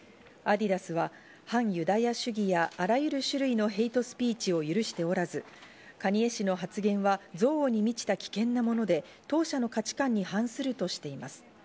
アディダスは、反ユダヤ主義あらゆる種類のヘイトスピーチを許しておらず、カニエ氏の発言は憎悪に満ちた危険なもので、当社の価値観に反するとしています。